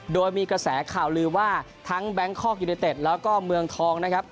โดยมีกระแสข่าวลือว่าทั้งแบงคอกยูเนเต็ดแล้วก็เมืองทองนะครับ